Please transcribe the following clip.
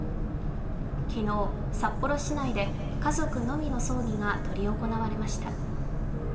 昨日、札幌市内で家族のみの葬儀が執り行われました。